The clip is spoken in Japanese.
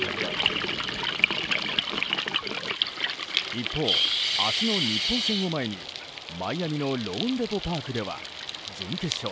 一方、明日の日本戦を前にマイアミのローンデポ・パークでは準決勝